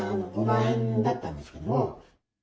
５万円だったんですけども。